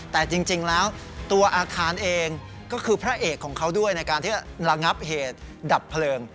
แต่จริงแล้วอาคารเองก็คือพระเอกของเขาด้วยรังงับเหตุดับเพลิง